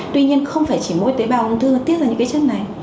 tuy nhiên không phải chỉ mỗi tế bào ung thư tiết ra những cái chất này